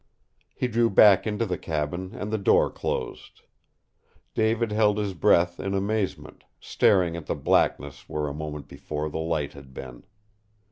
He drew back into the cabin, and the door closed. David held his breath in amazement, staring at the blackness where a moment before the light had been.